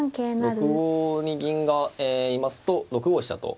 ６五に銀がいますと６五飛車と。